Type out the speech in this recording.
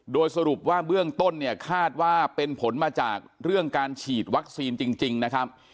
โดยสรุปว่าเบื้องต้นเนี่ยคาดว่าเป็นผลมาจากเรื่องการฉีดวัคซีนจริงนะครับ